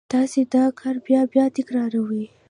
تاسې دا کار بیا بیا تکراروئ